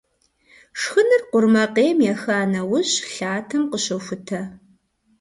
Шхыныр къурмакъейм еха нэужь, лъатэм къыщохутэ.